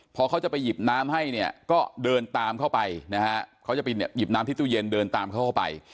พอเขาจะไปหยิบน้ำให้เนี่ยก็เดินตามเข้าไปนะฮะเขาจะไปหยิบน้ำที่ตู้เย็นเดินตามเขาเข้าไป